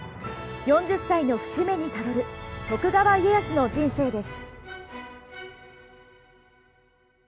４０歳の節目にたどる徳川家康の人生です。